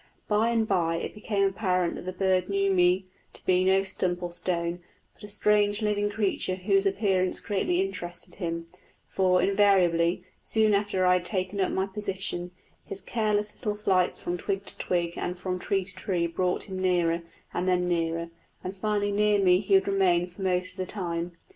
By and by it became apparent that the bird knew me to be no stump or stone, but a strange living creature whose appearance greatly interested him; for invariably, soon after I had taken up my position, his careless little flights from twig to twig and from tree to tree brought him nearer, and then nearer, and finally near me he would remain for most of the time.